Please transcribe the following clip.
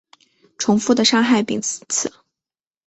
重复的伤害彼此